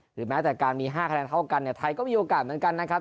หรือแม้แต่การมี๕คะแนนเท่ากันเนี่ยไทยก็มีโอกาสเหมือนกันนะครับ